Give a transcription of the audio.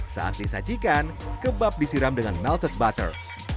saat disajikan kebab disiram dengan melted butter